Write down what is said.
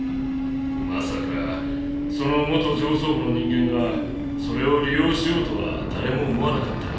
まさかその元上層部の人間がそれを利用しようとは誰も思わなかったが。